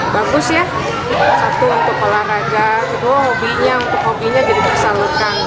bagus ya satu untuk olahraga itu hobinya untuk hobinya jadi tersalurkan